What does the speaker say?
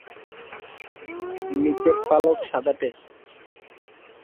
নিচের পালক সাদাটে।